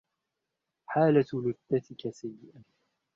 حالة لثتك سيئة.